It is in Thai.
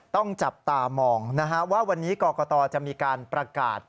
ต้องจับตามองนะฮะว่าวันนี้กรกตจะมีการประกาศ